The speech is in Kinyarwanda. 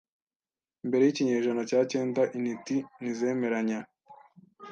mbere yikinyejana cya cyenda intiti ntizemeranya